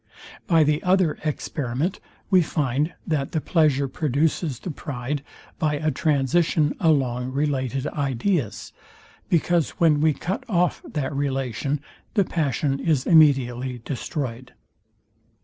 By the other experiment we find, that the pleasure produces the pride by a transition along related ideas; because when we cut off that relation the passion is immediately destroyed..